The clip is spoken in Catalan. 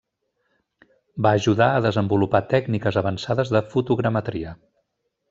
Va ajudar a desenvolupar tècniques avançades de fotogrametria.